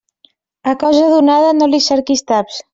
A cosa donada no li cerquis taps.